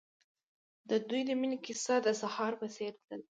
د دوی د مینې کیسه د سهار په څېر تلله.